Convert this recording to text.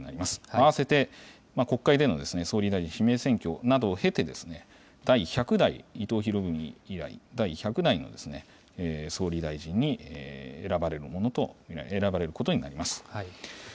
併せて、国会での総理大臣指名選挙などを経て、第１００代、伊藤博文以来、第１００代の総理大臣に選ばれることになります。